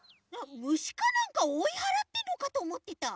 むしかなんかおいはらってんのかとおもってた。